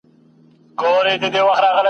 دا مي سمنډوله ده برخه مي لا نوره ده !.